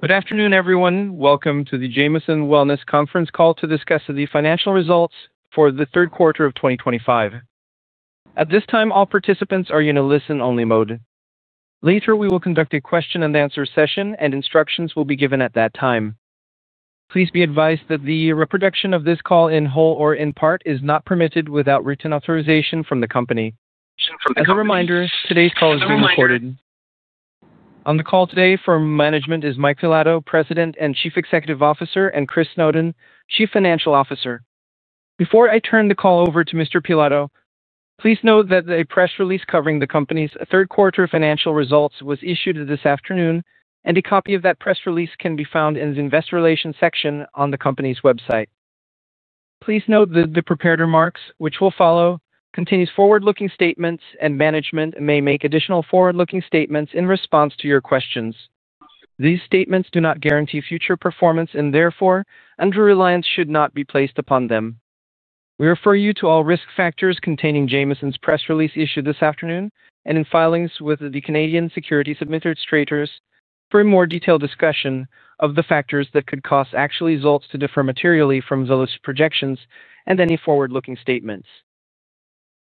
Good afternoon, everyone. Welcome to the Jamieson Wellness conference call to discuss the financial results for the third quarter of 2025. At this time, all participants are in a listen-only mode. Later, we will conduct a question-and-answer session, and instructions will be given at that time. Please be advised that the reproduction of this call in whole or in part is not permitted without written authorization from the company. As a reminder, today's call is being recorded. On the call today from management is Mike Pilato, President and Chief Executive Officer, and Chris Snowden, Chief Financial Officer. Before I turn the call over to Mr. Pilato, please note that a press release covering the company's third quarter financial results was issued this afternoon, and a copy of that press release can be found in the Investor Relations section on the company's website. Please note that the prepared remarks, which will follow, contain forward-looking statements, and management may make additional forward-looking statements in response to your questions. These statements do not guarantee future performance, and therefore, no reliance should be placed upon them. We refer you to all risk factors contained in Jamieson's press release issued this afternoon and in filings with the Canadian Securities Administrators for a more detailed discussion of the factors that could cause actual results to differ materially from those projections and any forward-looking statements.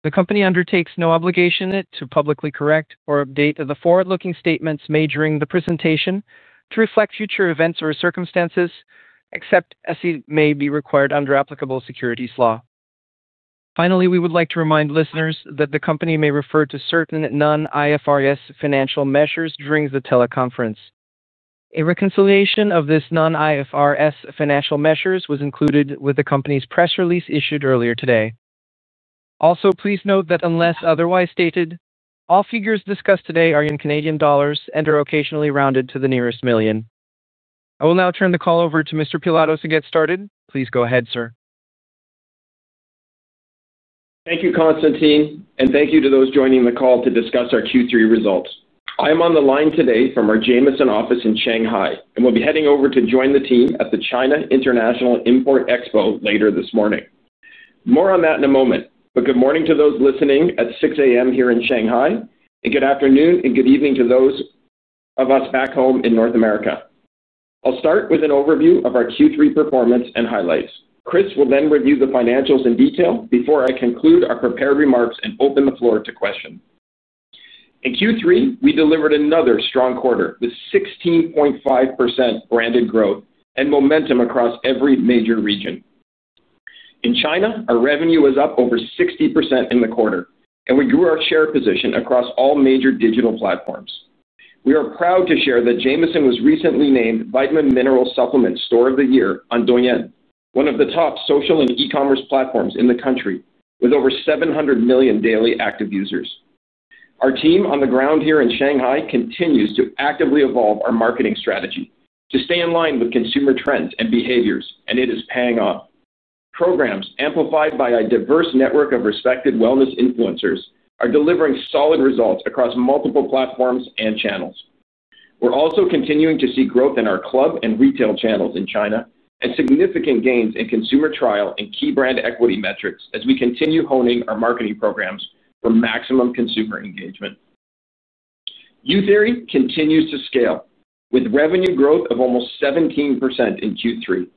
The company undertakes no obligation to publicly correct or update the forward-looking statements made during the presentation to reflect future events or circumstances, except as it may be required under applicable securities law. Finally, we would like to remind listeners that the company may refer to certain non-IFRS financial measures during the teleconference. A reconciliation of this non-IFRS financial measure was included with the company's press release issued earlier today. Also, please note that unless otherwise stated, all figures discussed today are in CAD and are occasionally rounded to the nearest million. I will now turn the call over to Mr. Pilato to get started. Please go ahead, sir. Thank you, Constantine, and thank you to those joining the call to discuss our Q3 results. I am on the line today from our Jamieson office in Shanghai and will be heading over to join the team at the China International Import Expo later this morning. More on that in a moment, but good morning to those listening at 6:00 A.M. here in Shanghai, and good afternoon and good evening to those of us back home in North America. I'll start with an overview of our Q3 performance and highlights. Chris will then review the financials in detail before I conclude our prepared remarks and open the floor to questions. In Q3, we delivered another strong quarter with 16.5% branded growth and momentum across every major region. In China, our revenue was up over 60% in the quarter, and we grew our share position across all major digital platforms. We are proud to share that Jamieson was recently named Vitamin Mineral Supplements' Store of the Year on Douyin, one of the top social and e-commerce platforms in the country, with over 700 million daily active users. Our team on the ground here in Shanghai continues to actively evolve our marketing strategy to stay in line with consumer trends and behaviors, and it is paying off. Programs, amplified by a diverse network of respected wellness influencers, are delivering solid results across multiple platforms and channels. We are also continuing to see growth in our club and retail channels in China and significant gains in consumer trial and key brand equity metrics as we continue honing our marketing programs for maximum consumer engagement. Youtheory continues to scale, with revenue growth of almost 17% in Q3.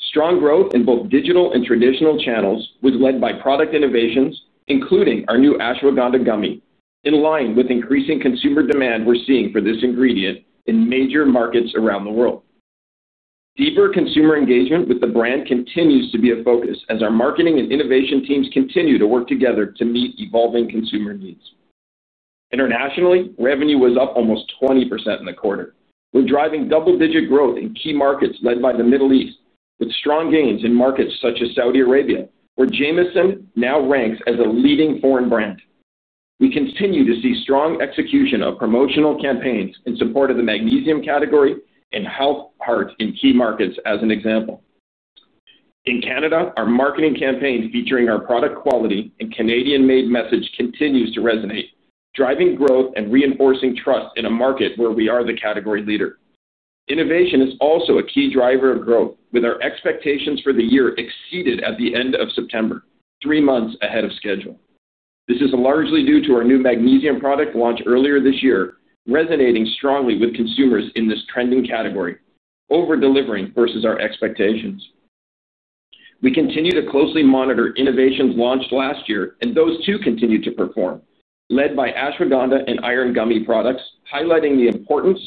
Strong growth in both digital and traditional channels was led by product innovations, including our new Ashwagandha Gummies, in line with increasing consumer demand we're seeing for this ingredient in major markets around the world. Deeper consumer engagement with the brand continues to be a focus as our marketing and innovation teams continue to work together to meet evolving consumer needs. Internationally, revenue was up almost 20% in the quarter. We're driving double-digit growth in key markets led by the Middle East, with strong gains in markets such as Saudi Arabia, where Jamieson now ranks as a leading foreign brand. We continue to see strong execution of promotional campaigns in support of the magnesium category and health, heart, and key markets as an example. In Canada, our marketing campaign featuring our product quality and Canadian-made message continues to resonate, driving growth and reinforcing trust in a market where we are the category leader. Innovation is also a key driver of growth, with our expectations for the year exceeded at the end of September, three months ahead of schedule. This is largely due to our new magnesium product launch earlier this year, resonating strongly with consumers in this trending category, over-delivering versus our expectations. We continue to closely monitor innovations launched last year, and those too continue to perform, led by Ashwagandha and Iron Gummy products, highlighting the importance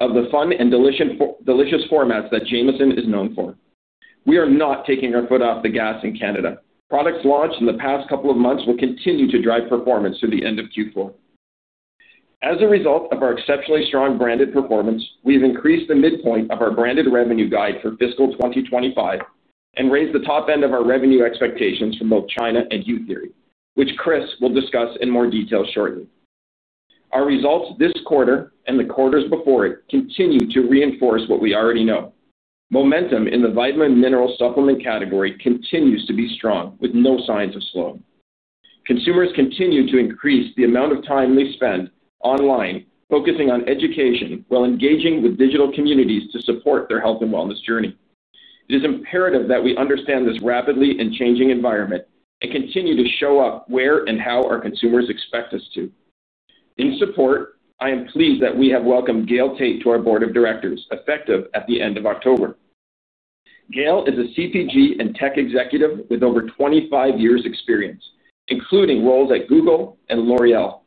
of the fun and delicious formats that Jamieson is known for. We are not taking our foot off the gas in Canada. Products launched in the past couple of months will continue to drive performance through the end of Q4. As a result of our exceptionally strong branded performance, we've increased the midpoint of our branded revenue guide for fiscal 2025 and raised the top end of our revenue expectations for both China and Youtheory, which Chris will discuss in more detail shortly. Our results this quarter and the quarters before it continue to reinforce what we already know. Momentum in the vitamin mineral supplement category continues to be strong, with no signs of slowing. Consumers continue to increase the amount of time they spend online, focusing on education while engaging with digital communities to support their health and wellness journey. It is imperative that we understand this rapidly changing environment and continue to show up where and how our consumers expect us to. In support, I am pleased that we have welcomed Gayle Tait to our Board of Directors, effective at the end of October. Gayle is a CPG and tech executive with over 25 years' experience, including roles at Google and L'Oréal.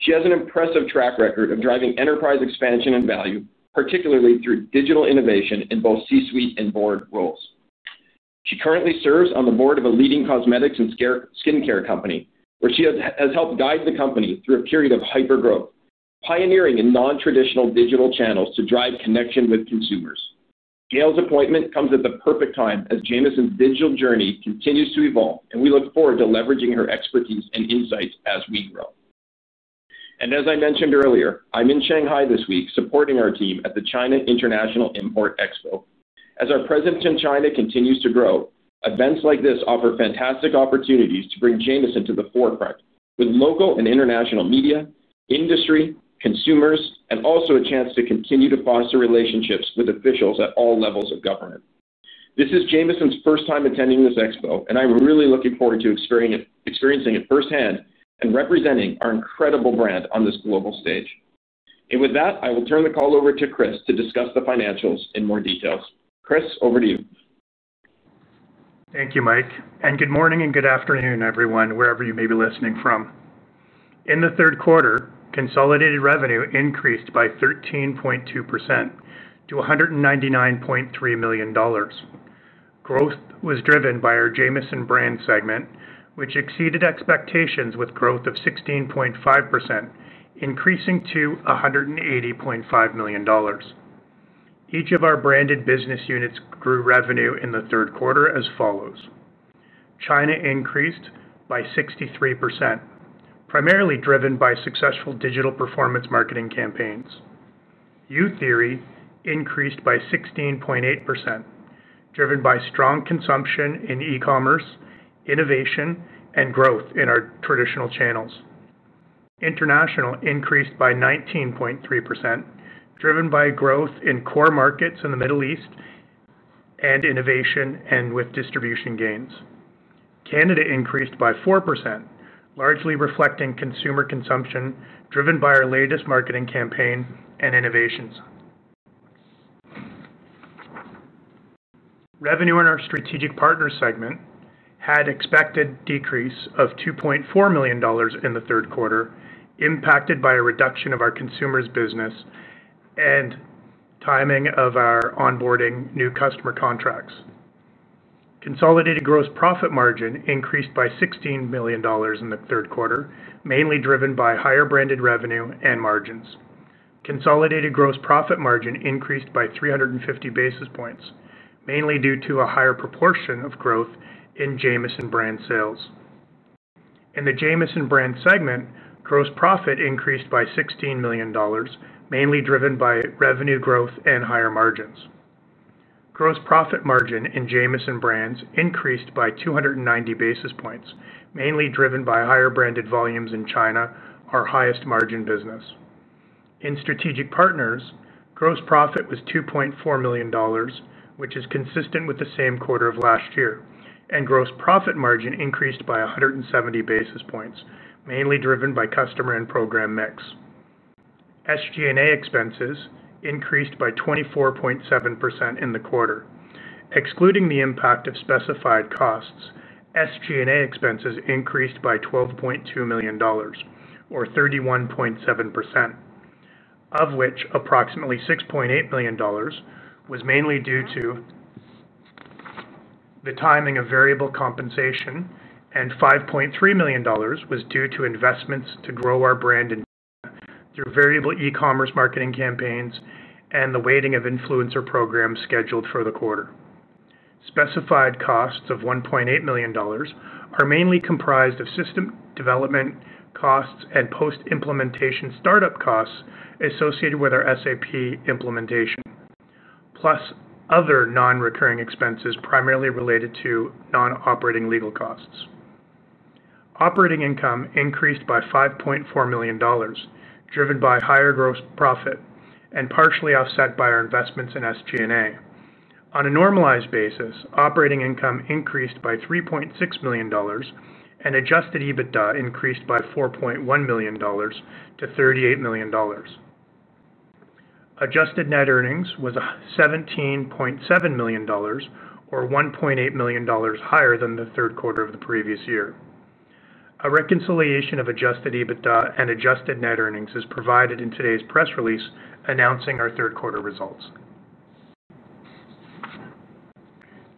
She has an impressive track record of driving enterprise expansion and value, particularly through digital innovation in both C-suite and Board roles. She currently serves on the Board of a leading cosmetics and skincare company, where she has helped guide the company through a period of hypergrowth, pioneering in non-traditional digital channels to drive connection with consumers. Gayle's appointment comes at the perfect time as Jamieson's digital journey continues to evolve, and we look forward to leveraging her expertise and insights as we grow. As I mentioned earlier, I'm in Shanghai this week supporting our team at the China International Import Expo. As our presence in China continues to grow, events like this offer fantastic opportunities to bring Jamieson to the forefront with local and international media, industry, consumers, and also a chance to continue to foster relationships with officials at all levels of government. This is Jamieson's first time attending this expo, and I'm really looking forward to experiencing it firsthand and representing our incredible brand on this global stage. I will turn the call over to Chris to discuss the financials in more detail. Chris, over to you. Thank you, Mike. Good morning and good afternoon, everyone, wherever you may be listening from. In the third quarter, consolidated revenue increased by 13.2% to 199.3 million dollars. Growth was driven by our Jamieson Brands segment, which exceeded expectations with growth of 16.5%, increasing to 180.5 million dollars. Each of our branded business units grew revenue in the third quarter as follows. China increased by 63%, primarily driven by successful digital performance marketing campaigns. Youtheory increased by 16.8%, driven by strong consumption in e-commerce, innovation, and growth in our traditional channels. International increased by 19.3%, driven by growth in core markets in the Middle East and innovation and with distribution gains. Canada increased by 4%, largely reflecting consumer consumption driven by our latest marketing campaign and innovations. Revenue in our Strategic Partners segment had an expected decrease of 2.4 million dollars in the third quarter, impacted by a reduction of our consumers' business and timing of our onboarding new customer contracts. Consolidated gross profit margin increased by 16 million dollars in the third quarter, mainly driven by higher branded revenue and margins. Consolidated gross profit margin increased by 350 basis points, mainly due to a higher proportion of growth in Jamieson Brands sales. In the Jamieson Brands segment, gross profit increased by 16 million dollars, mainly driven by revenue growth and higher margins. Gross profit margin in Jamieson Brands increased by 290 basis points, mainly driven by higher branded volumes in China, our highest margin business. In Strategic Partners, gross profit was 2.4 million dollars, which is consistent with the same quarter of last year, and gross profit margin increased by 170 basis points, mainly driven by customer and program mix. SG&A expenses increased by 24.7% in the quarter. Excluding the impact of specified costs, SG&A expenses increased by 12.2 million dollars, or 31.7%. Of which approximately 6.8 million dollars was mainly due to the timing of variable compensation, and 5.3 million dollars was due to investments to grow our brand in China through variable e-commerce marketing campaigns and the weighting of influencer programs scheduled for the quarter. Specified costs of 1.8 million dollars are mainly comprised of system development costs and post-implementation start-up costs associated with our SAP implementation, plus other non-recurring expenses primarily related to non-operating legal costs. Operating income increased by 5.4 million dollars, driven by higher gross profit and partially offset by our investments in SG&A. On a normalized basis, operating income increased by 3.6 million dollars, and adjusted EBITDA increased by 4.1 million dollars to 38 million dollars. Adjusted net earnings was 17.7 million dollars, or 1.8 million dollars higher than the third quarter of the previous year. A reconciliation of adjusted EBITDA and adjusted net earnings is provided in today's press release announcing our third quarter results.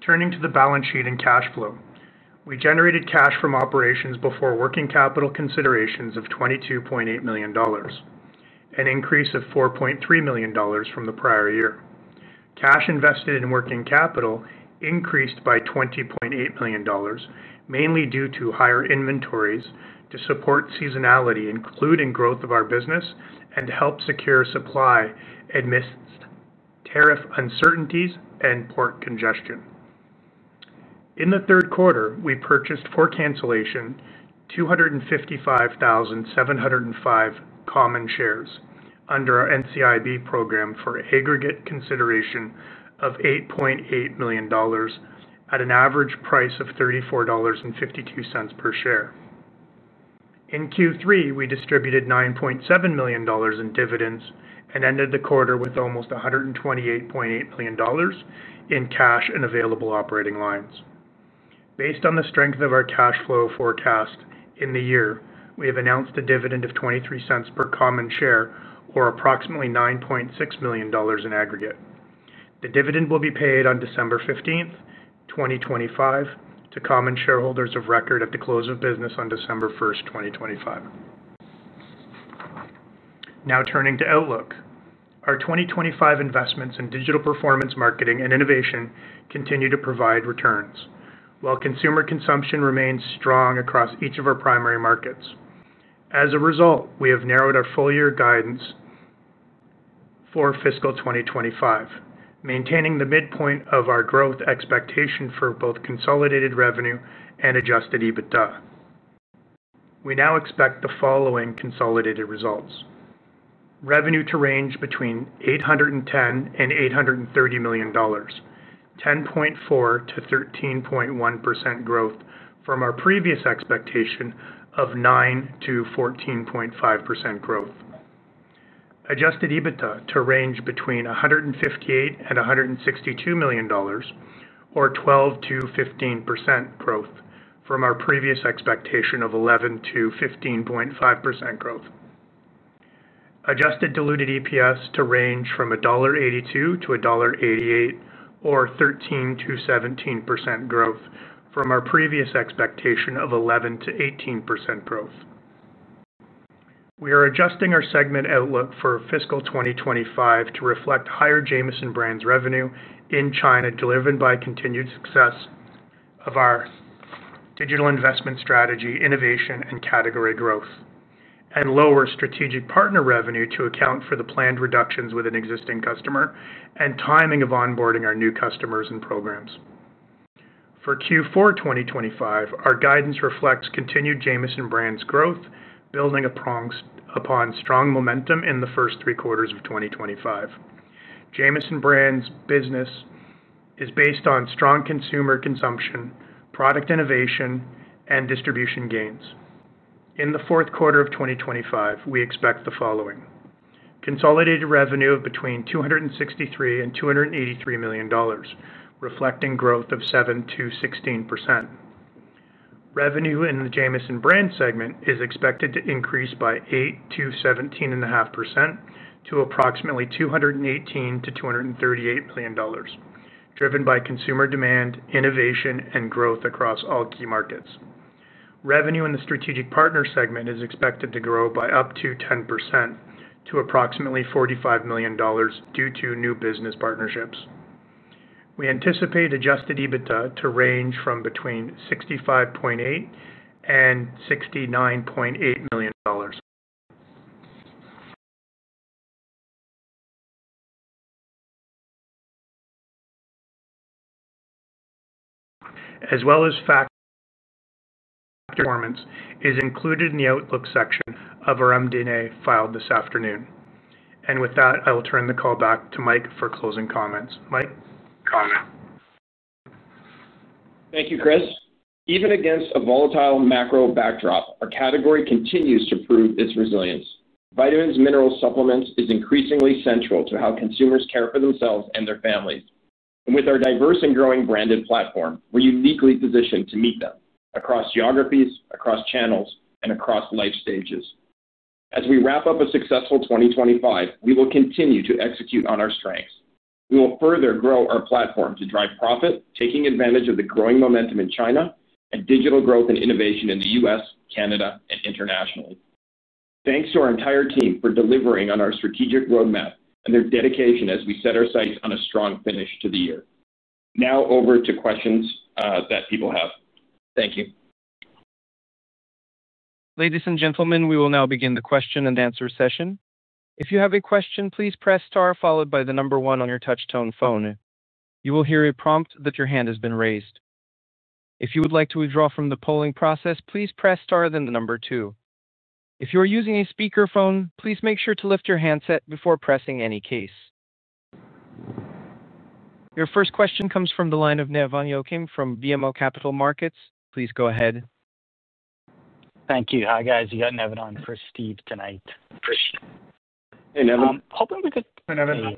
Turning to the balance sheet and cash flow, we generated cash from operations before working capital considerations of 22.8 million dollars, an increase of 4.3 million dollars from the prior year. Cash invested in working capital increased by 20.8 million dollars, mainly due to higher inventories to support seasonality, including growth of our business and to help secure supply amidst tariff uncertainties and port congestion. In the third quarter, we purchased for cancellation 255,705 common shares under our NCIB program for aggregate consideration of 8.8 million dollars at an average price of 34.52 dollars per share. In Q3, we distributed 9.7 million dollars in dividends and ended the quarter with almost 128.8 million dollars. In cash and available operating lines. Based on the strength of our cash flow forecast in the year, we have announced a dividend of 0.23 per common share, or approximately 9.6 million dollars in aggregate. The dividend will be paid on December 15th, 2025, to common shareholders of record at the close of business on December 1st, 2025. Now turning to outlook, our 2025 investments in digital performance marketing and innovation continue to provide returns, while consumer consumption remains strong across each of our primary markets. As a result, we have narrowed our full-year guidance. For fiscal 2025, maintaining the midpoint of our growth expectation for both consolidated revenue and adjusted EBITDA. We now expect the following consolidated results. Revenue to range between 810 million and 830 million dollars. 10.4%-13.1% growth from our previous expectation of 9%-14.5% growth. Adjusted EBITDA to range between 158 million and 162 million dollars. Or 12%-15% growth from our previous expectation of 11%-15.5% growth. Adjusted diluted EPS to range from 1.82-1.88 dollar, or 13%-17% growth from our previous expectation of 11%-18% growth. We are adjusting our segment outlook for fiscal 2025 to reflect higher Jamieson Brands' revenue in China, driven by continued success of our digital investment strategy, innovation, and category growth, and lower Strategic Partners revenue to account for the planned reductions with an existing customer and timing of onboarding our new customers and programs. For Q4 2025, our guidance reflects continued Jamieson Brands' growth, building upon strong momentum in the first three quarters of 2025. Jamieson Brands' business is based on strong consumer consumption, product innovation, and distribution gains. In the fourth quarter of 2025, we expect the following. Consolidated revenue of between 263 million and 283 million dollars, reflecting growth of 7%-16%. Revenue in the Jamieson Brands segment is expected to increase by 8%-17.5% to approximately 218 million-238 million dollars, driven by consumer demand, innovation, and growth across all key markets. Revenue in the Strategic Partners segment is expected to grow by up to 10% to approximately 45 million dollars due to new business partnerships. We anticipate adjusted EBITDA to range from between 65.8 million and 69.8 million dollars. As well as factor. Performance is included in the outlook section of our MD&A filed this afternoon. With that, I will turn the call back to Mike for closing comments. Mike. Thank you, Chris. Even against a volatile macro backdrop, our category continues to prove its resilience. Vitamins and mineral supplements are increasingly central to how consumers care for themselves and their families. With our diverse and growing branded platform, we're uniquely positioned to meet them across geographies, across channels, and across life stages. As we wrap up a successful 2025, we will continue to execute on our strengths. We will further grow our platform to drive profit, taking advantage of the growing momentum in China and digital growth and innovation in the U.S., Canada, and internationally. Thanks to our entire team for delivering on our strategic roadmap and their dedication as we set our sights on a strong finish to the year. Now over to questions that people have. Thank you. Ladies and gentlemen, we will now begin the question-and-answer session. If you have a question, please press star followed by the number one on your touch-tone phone. You will hear a prompt that your hand has been raised. If you would like to withdraw from the polling process, please press star then the number two. If you are using a speakerphone, please make sure to lift your handset before pressing any key. Your first question comes from the line of Nevan Yochim from BMO Capital Markets. Please go ahead. Thank you. Hi, guys. You got Nevan on for Steve tonight. Appreciate it. Hoping we could. Hi, Nevan.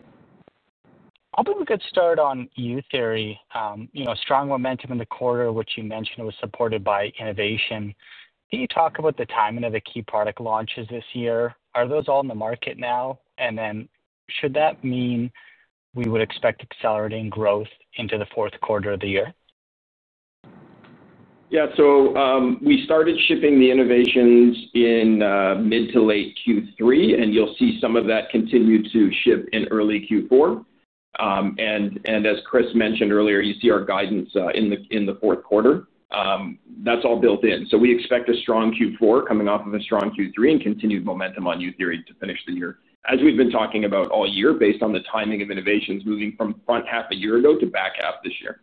Hoping we could start on Youtheory. Strong momentum in the quarter, which you mentioned was supported by innovation. Can you talk about the timing of the key product launches this year? Are those all in the market now? Should that mean we would expect accelerating growth into the fourth quarter of the year? Yeah. We started shipping the innovations in mid to late Q3, and you'll see some of that continue to ship in early Q4. As Chris mentioned earlier, you see our guidance in the fourth quarter. That is all built in. We expect a strong Q4 coming off of a strong Q3 and continued momentum on Youtheory to finish the year, as we've been talking about all year based on the timing of innovations moving from front half a year ago to back half this year.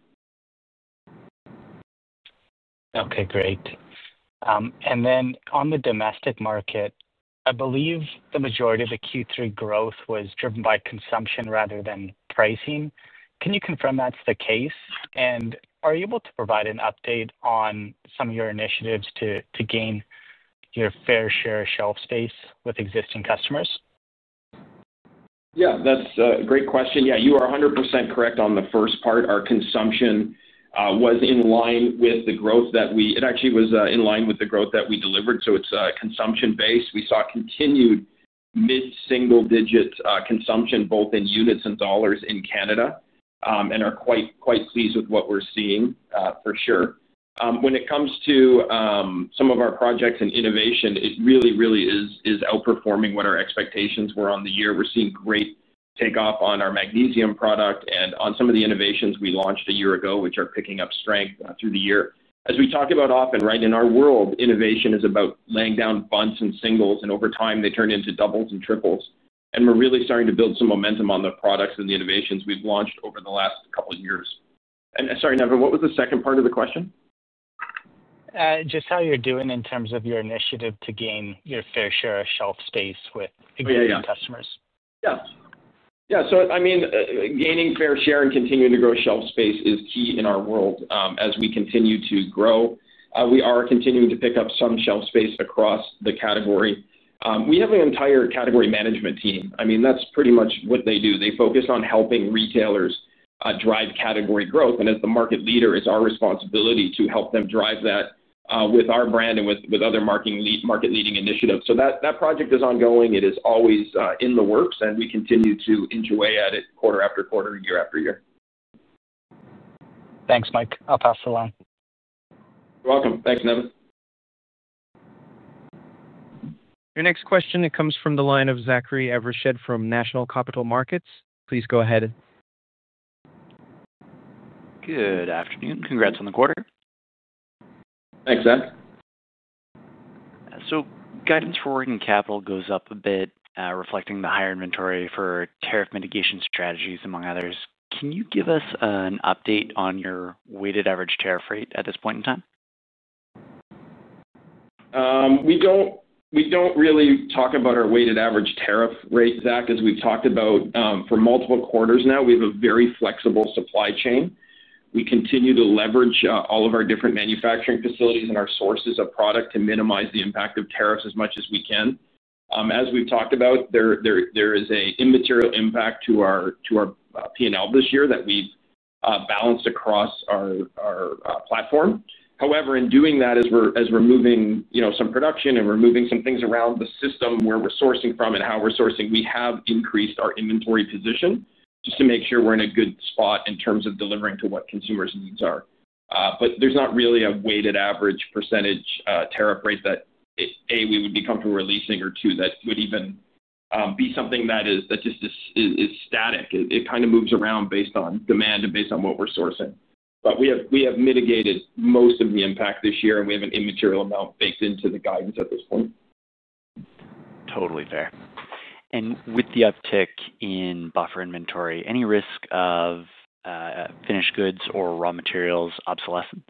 Okay. Great. On the domestic market, I believe the majority of the Q3 growth was driven by consumption rather than pricing. Can you confirm that's the case? Are you able to provide an update on some of your initiatives to gain your fair share of shelf space with existing customers? Yeah. That's a great question. Yeah. You are 100% correct on the first part. Our consumption was in line with the growth that we, it actually was in line with the growth that we delivered. So it's consumption-based. We saw continued mid-single-digit consumption, both in units and dollars in Canada, and are quite pleased with what we're seeing for sure. When it comes to some of our projects and innovation, it really, really is outperforming what our expectations were on the year. We're seeing great takeoff on our magnesium product and on some of the innovations we launched a year ago, which are picking up strength through the year. As we talk about often, right, in our world, innovation is about laying down bunts and singles, and over time, they turn into doubles and triples. We're really starting to build some momentum on the products and the innovations we've launched over the last couple of years. Sorry, Nevan, what was the second part of the question? Just how you're doing in terms of your initiative to gain your fair share of shelf space with existing customers. Yeah. Yeah. So I mean, gaining fair share and continuing to grow shelf space is key in our world as we continue to grow. We are continuing to pick up some shelf space across the category. We have an entire category management team. I mean, that's pretty much what they do. They focus on helping retailers drive category growth. As the market leader, it's our responsibility to help them drive that with our brand and with other market-leading initiatives. That project is ongoing. It is always in the works, and we continue to enjoy at it quarter after quarter, year after year. Thanks, Mike. I'll pass the line. You're welcome. Thanks, Nevan. Your next question, it comes from the line of Zachary Evershed from National Bank Capital Markets. Please go ahead. Good afternoon. Congrats on the quarter. Thanks, Zach. Guidance for working capital goes up a bit, reflecting the higher inventory for tariff mitigation strategies, among others. Can you give us an update on your weighted average tariff rate at this point in time? We do not really talk about our weighted average tariff rate, Zach, as we have talked about for multiple quarters now. We have a very flexible supply chain. We continue to leverage all of our different manufacturing facilities and our sources of product to minimize the impact of tariffs as much as we can. As we have talked about, there is an immaterial impact to our P&L this year that we have balanced across our platform. However, in doing that, as we are moving some production and we are moving some things around the system where we are sourcing from and how we are sourcing, we have increased our inventory position just to make sure we are in a good spot in terms of delivering to what consumers' needs are. There is not really a weighted average percentage tariff rate that, A, we would be comfortable releasing, or two, that would even be something that just is static. It kind of moves around based on demand and based on what we're sourcing. We have mitigated most of the impact this year, and we have an immaterial amount baked into the guidance at this point. Totally fair. With the uptick in buffer inventory, any risk of finished goods or raw materials obsolescence?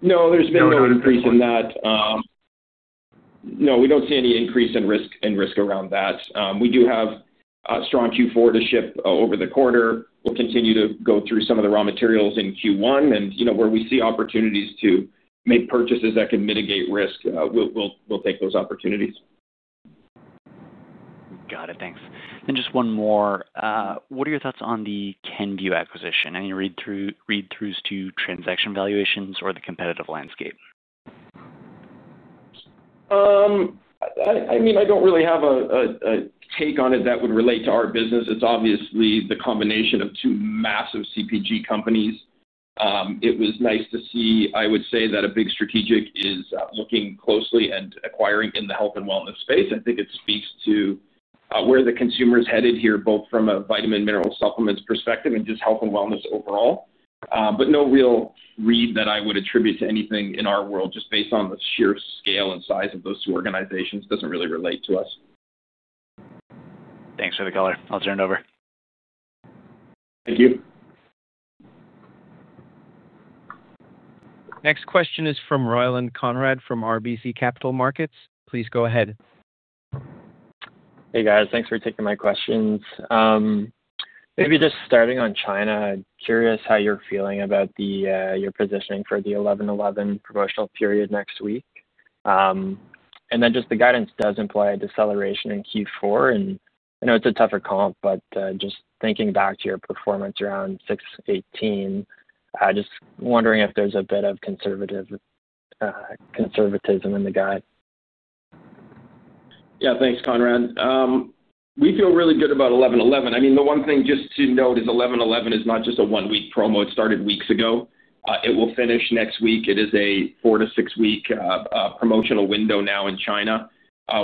No. There's been no increase in that. No. We do not see any increase in risk around that. We do have a strong Q4 to ship over the quarter. We will continue to go through some of the raw materials in Q1. Where we see opportunities to make purchases that can mitigate risk, we will take those opportunities. Got it. Thanks. Just one more. What are your thoughts on the acquisition? Any read-throughs to transaction valuations or the competitive landscape? I mean, I don't really have a take on it that would relate to our business. It's obviously the combination of two massive CPG companies. It was nice to see, I would say, that a big strategic is looking closely and acquiring in the health and wellness space. I think it speaks to where the consumer is headed here, both from a vitamin and mineral supplements perspective and just health and wellness overall. No real read that I would attribute to anything in our world, just based on the sheer scale and size of those two organizations, doesn't really relate to us. Thanks for the color. I'll turn it over. Thank you. Next question is from Ryland Conrad from RBC Capital Markets. Please go ahead. Hey, guys. Thanks for taking my questions. Maybe just starting on China, curious how you're feeling about your positioning for the 11/11 promotional period next week. The guidance does imply a deceleration in Q4. I know it's a tougher comp, but just thinking back to your performance around 6/18. Just wondering if there's a bit of conservatism in the guide. Yeah. Thanks, Conrad. We feel really good about 11/11. I mean, the one thing just to note is 11/11 is not just a one-week promo. It started weeks ago. It will finish next week. It is a four- to six-week promotional window now in China.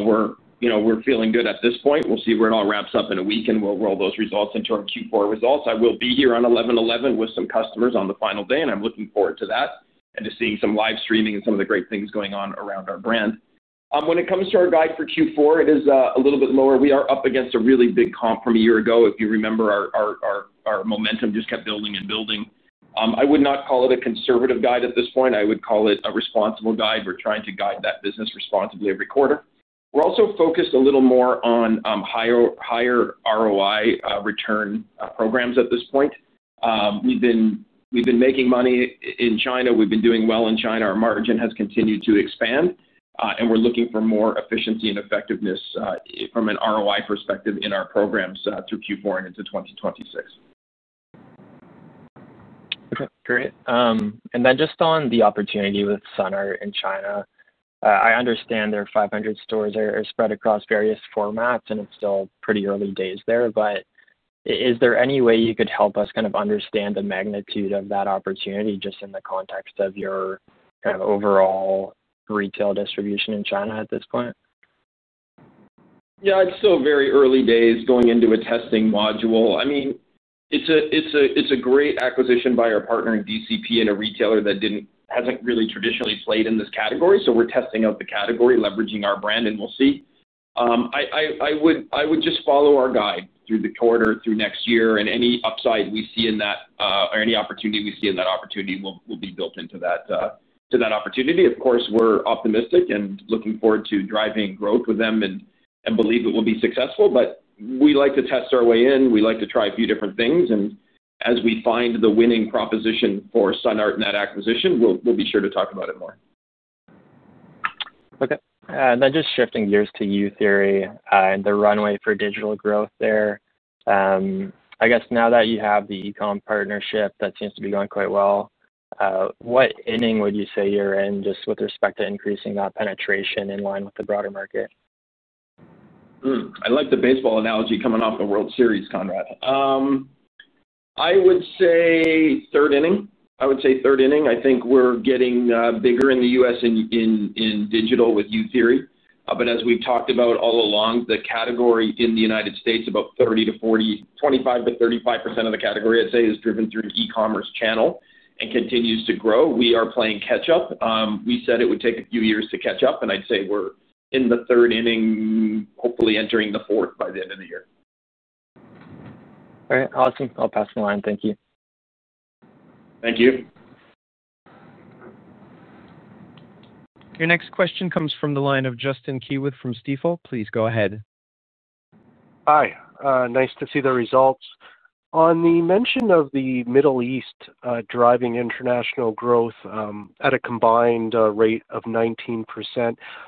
We're feeling good at this point. We'll see where it all wraps up in a week, and we'll roll those results into our Q4 results. I will be here on 11/11 with some customers on the final day, and I'm looking forward to that and to seeing some live streaming and some of the great things going on around our brand. When it comes to our guide for Q4, it is a little bit lower. We are up against a really big comp from a year ago. If you remember, our momentum just kept building and building. I would not call it a conservative guide at this point. I would call it a responsible guide. We're trying to guide that business responsibly every quarter. We're also focused a little more on higher ROI return programs at this point. We've been making money in China. We've been doing well in China. Our margin has continued to expand, and we're looking for more efficiency and effectiveness from an ROI perspective in our programs through Q4 and into 2026. Okay. Great. Just on the opportunity with Sun Art in China, I understand their 500 stores are spread across various formats, and it's still pretty early days there. Is there any way you could help us kind of understand the magnitude of that opportunity just in the context of your overall retail distribution in China at this point? Yeah. It's still very early days going into a testing module. I mean, it's a great acquisition by our partner in DCP and a retailer that hasn't really traditionally played in this category. We're testing out the category, leveraging our brand, and we'll see. I would just follow our guide through the quarter, through next year, and any upside we see in that or any opportunity we see in that opportunity will be built into that opportunity. Of course, we're optimistic and looking forward to driving growth with them and believe it will be successful. We like to test our way in. We like to try a few different things. As we find the winning proposition for Sun Art and that acquisition, we'll be sure to talk about it more. Okay. And then just shifting gears to Youtheory and the runway for digital growth there. I guess now that you have the e-comm partnership that seems to be going quite well. What ending would you say you're in just with respect to increasing that penetration in line with the broader market? I like the baseball analogy coming off the World Series, Conrad. I would say third inning. I would say third inning. I think we're getting bigger in the U.S. and in digital with Youtheory. But as we've talked about all along, the category in the United States, about 30%-40%, 25%-35% of the category, I'd say, is driven through e-commerce channel and continues to grow. We are playing catch-up. We said it would take a few years to catch up, and I'd say we're in the third inning, hopefully entering the fourth by the end of the year. All right. Awesome. I'll pass the line. Thank you. Thank you. Your next question comes from the line of Justin Keywood from Stifel. Please go ahead. Hi. Nice to see the results. On the mention of the Middle East driving international growth at a combined rate of 19%,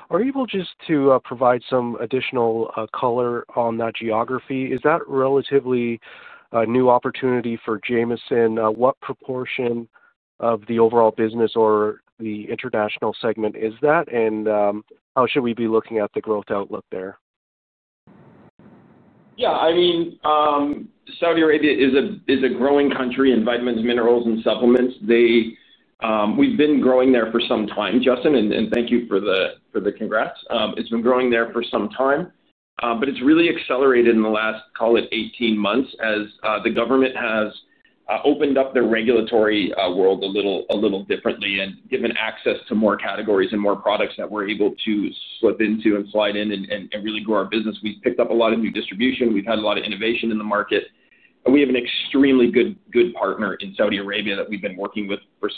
are you able just to provide some additional color on that geography? Is that a relatively new opportunity for Jamieson? What proportion of the overall business or the international segment is that? How should we be looking at the growth outlook there? Yeah. I mean. Saudi Arabia is a growing country in vitamins, minerals, and supplements. We've been growing there for some time, Justin, and thank you for the congrats. It's been growing there for some time. It has really accelerated in the last, call it, 18 months as the government has opened up their regulatory world a little differently and given access to more categories and more products that we're able to slip into and slide in and really grow our business. We've picked up a lot of new distribution. We've had a lot of innovation in the market. We have an extremely good partner in Saudi Arabia that we've been working with for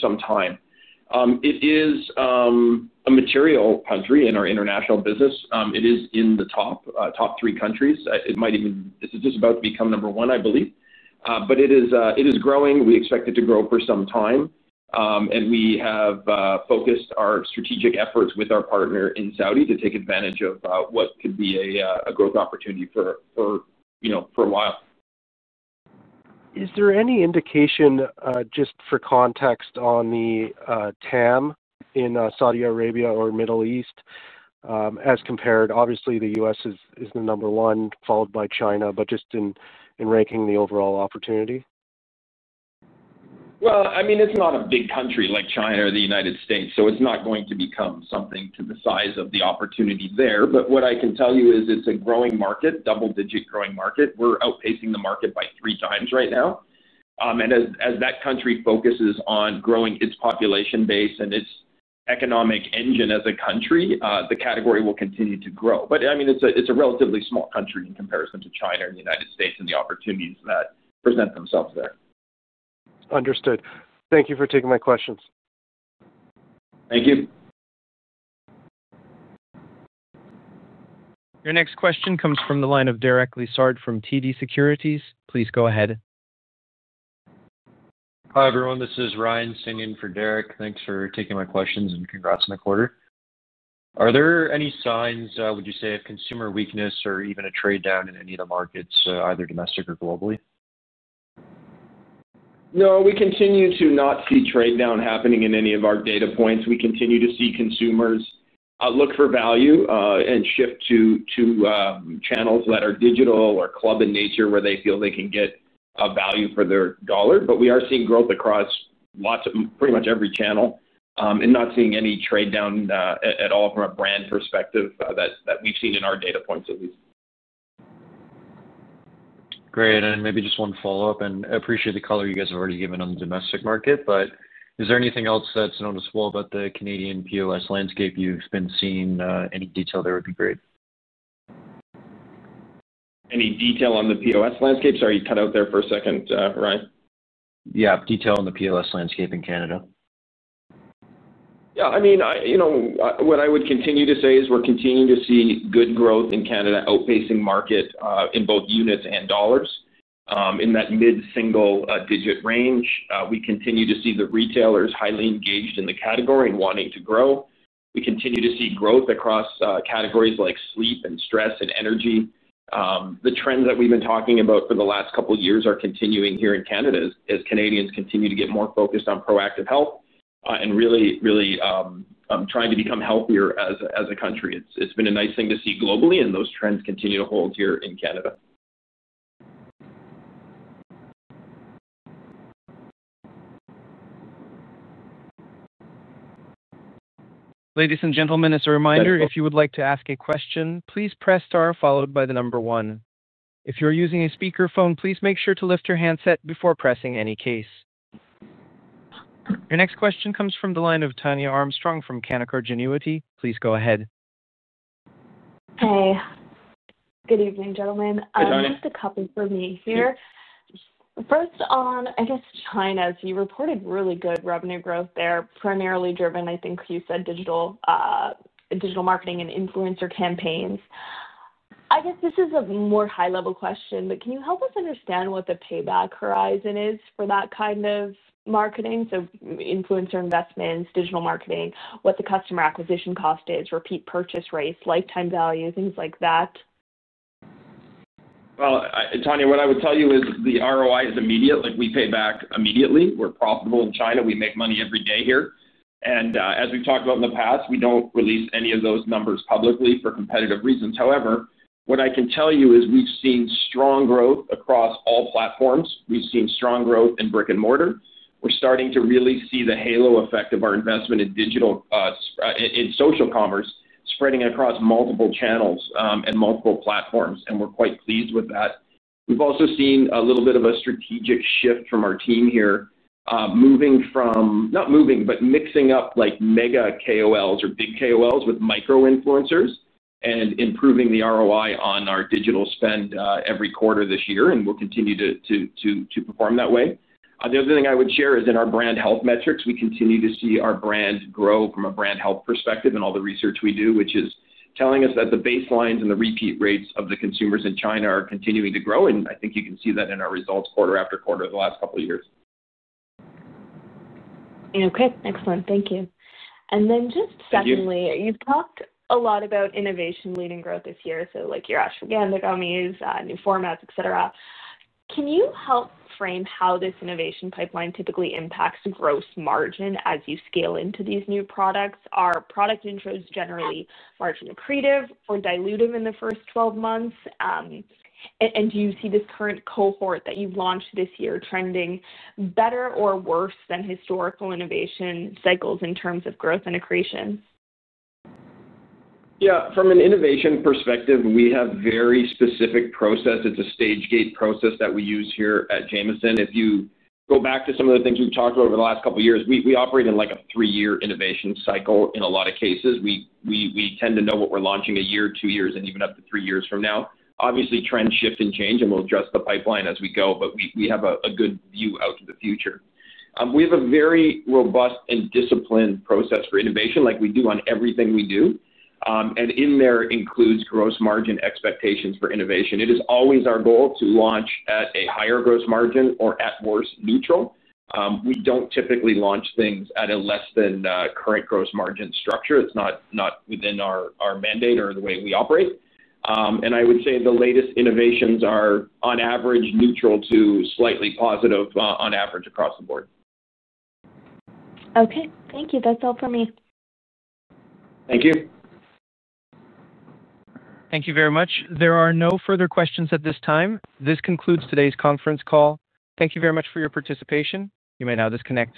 some time. It is a material country in our international business. It is in the top three countries. It might even—this is just about to become number one, I believe. It is growing. We expect it to grow for some time. We have focused our strategic efforts with our partner in Saudi to take advantage of what could be a growth opportunity for a while. Is there any indication, just for context, on the TAM in Saudi Arabia or Middle East as compared? Obviously, the U.S. is the number one, followed by China, but just in ranking the overall opportunity? I mean, it's not a big country like China or the United States. It's not going to become something to the size of the opportunity there. What I can tell you is it's a growing market, double-digit growing market. We're outpacing the market by 3x right now. As that country focuses on growing its population base and its economic engine as a country, the category will continue to grow. I mean, it's a relatively small country in comparison to China and the United States and the opportunities that present themselves there. Understood. Thank you for taking my questions. Thank you. Your next question comes from the line of Derek Lessard from TD Securities. Please go ahead. Hi, everyone. This is Ryan sitting in for Derek. Thanks for taking my questions and congrats on the quarter. Are there any signs, would you say, of consumer weakness or even a trade-down in any of the markets, either domestic or globally? No. We continue to not see trade-down happening in any of our data points. We continue to see consumers look for value and shift to channels that are digital or club-in-nature where they feel they can get value for their dollar. We are seeing growth across pretty much every channel and not seeing any trade-down at all from a brand perspective that we've seen in our data points, at least. Great. Maybe just one follow-up. I appreciate the color you guys have already given on the domestic market. Is there anything else that is noticeable about the Canadian POS landscape you have been seeing? Any detail there would be great. Any detail on the POS landscape? Sorry, you cut out there for a second, Ryan. Yeah. Detail on the POS landscape in Canada. Yeah. I mean. What I would continue to say is we're continuing to see good growth in Canada, outpacing market in both units and dollars in that mid-single-digit range. We continue to see the retailers highly engaged in the category and wanting to grow. We continue to see growth across categories like sleep and stress and energy. The trends that we've been talking about for the last couple of years are continuing here in Canada as Canadians continue to get more focused on proactive health and really trying to become healthier as a country. It's been a nice thing to see globally, and those trends continue to hold here in Canada. Ladies and gentlemen, as a reminder, if you would like to ask a question, please press star followed by the number one. If you're using a speakerphone, please make sure to lift your handset before pressing any keys. Your next question comes from the line of Tania Armstrong from Canaccord Genuity. Please go ahead. Hi. Good evening, gentlemen. Good evening. Just a couple for me here. First on, I guess, China. You reported really good revenue growth there, primarily driven, I think you said, digital marketing and influencer campaigns. I guess this is a more high-level question, but can you help us understand what the payback horizon is for that kind of marketing? Influencer investments, digital marketing, what the customer acquisition cost is, repeat purchase rates, lifetime value, things like that? Tania, what I would tell you is the ROI is immediate. We pay back immediately. We're profitable in China. We make money every day here. As we've talked about in the past, we don't release any of those numbers publicly for competitive reasons. However, what I can tell you is we've seen strong growth across all platforms. We've seen strong growth in brick-and-mortar. We're starting to really see the halo effect of our investment in digital and social commerce spreading across multiple channels and multiple platforms. We're quite pleased with that. We've also seen a little bit of a strategic shift from our team here, moving from—not moving, but mixing up mega KOLs or big KOLs with micro-influencers and improving the ROI on our digital spend every quarter this year. We'll continue to perform that way. The other thing I would share is in our brand health metrics, we continue to see our brand grow from a brand health perspective in all the research we do, which is telling us that the baselines and the repeat rates of the consumers in China are continuing to grow. I think you can see that in our results quarter after quarter the last couple of years. Okay. Excellent. Thank you. Then just secondly, you've talked a lot about innovation leading growth this year. Your Ashwagandha Gummies, new formats, etc. Can you help frame how this innovation pipeline typically impacts gross margin as you scale into these new products? Are product intros generally margin-accretive or dilutive in the first 12 months? Do you see this current cohort that you've launched this year trending better or worse than historical innovation cycles in terms of growth and accretion? Yeah. From an innovation perspective, we have a very specific process. It is a stage gate process that we use here at Jamieson. If you go back to some of the things we have talked about over the last couple of years, we operate in a three-year innovation cycle in a lot of cases. We tend to know what we are launching a year, two years, and even up to three years from now. Obviously, trends shift and change, and we will adjust the pipeline as we go. We have a good view out to the future. We have a very robust and disciplined process for innovation like we do on everything we do. In there includes gross margin expectations for innovation. It is always our goal to launch at a higher gross margin or, at worst, neutral. We do not typically launch things at a less-than-current gross margin structure. It's not within our mandate or the way we operate. I would say the latest innovations are, on average, neutral to slightly positive on average across the board. Okay. Thank you. That's all from me. Thank you. Thank you very much. There are no further questions at this time. This concludes today's conference call. Thank you very much for your participation. You may now disconnect.